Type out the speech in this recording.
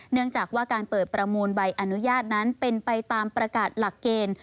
เนื่องจากว่าการเปิดประมูลใบอนุญาตนั้นเป็นไปตามประกาศหลักเกณฑ์